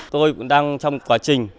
tôi cũng đang trong quá trình